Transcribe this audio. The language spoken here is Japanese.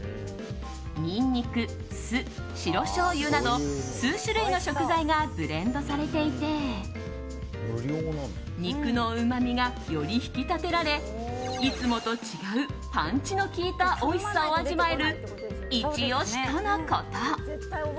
ニンニク、酢、白しょうゆなど数種類の食材がブレンドされていて肉のうまみがより引き立てられいつもと違うパンチの効いたおいしさを味わえるイチ押しとのこと。